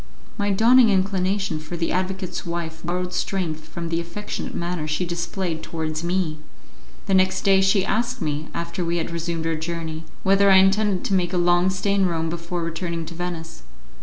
My dawning inclination for the advocate's wife borrowed strength from the affectionate manner she displayed towards me. The next day she asked me, after we had resumed our journey, whether I intended to make a long stay in Rome before returning to Venice.